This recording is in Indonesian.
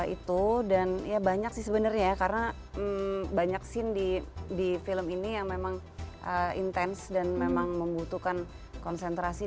itu dan ya banyak sih sebenarnya ya karena banyak scene di film ini yang memang intens dan memang membutuhkan konsentrasi